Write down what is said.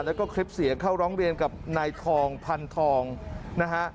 แล้วก็คลิปเสียงเข้าร้องเรียนกับนายทองพันธองนะฮะ